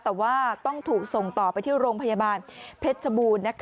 แต่ว่าต้องถูกส่งต่อไปที่โรงพยาบาลเพชรชบูรณ์